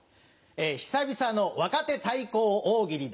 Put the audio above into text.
久々の「若手対抗大喜利」だ